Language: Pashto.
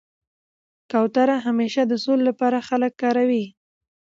کوتره همېشه د سولي له پاره خلک کاروي.